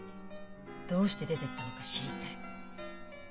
どうして出ていったのか知りたい。